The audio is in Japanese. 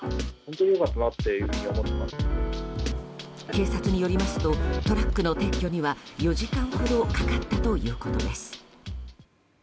警察によりますとトラックの撤去には４時間ほどかかったということです。